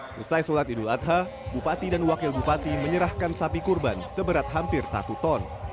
selesai sholat idul adha bupati dan wakil bupati menyerahkan sapi kurban seberat hampir satu ton